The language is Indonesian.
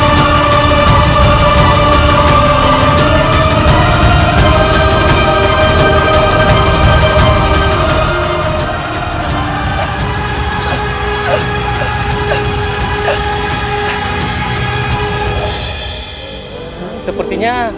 selamunia selamunia selamunia alayasi abidillah